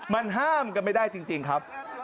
มันห้ามกันไม่ได้จริงครับ